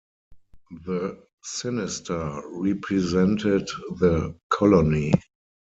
The sinister represented the colony.